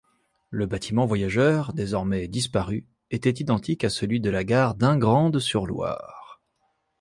Le bâtiment voyageurs, désormais disparu, était identique à celui de la gare d'Ingrandes-sur-Loire.